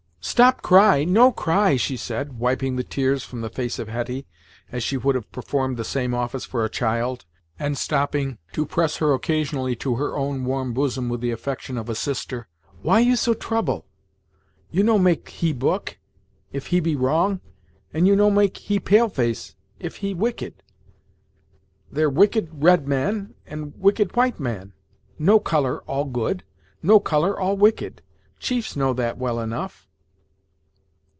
"Stop cry no cry " she said, wiping the tears from the face of Hetty, as she would have performed the same office for a child, and stopping to press her occasionally to her own warm bosom with the affection of a sister. "Why you so trouble? You no make he book, if he be wrong, and you no make he pale face if he wicked. There wicked red man, and wicked white man no colour all good no colour all wicked. Chiefs know that well enough."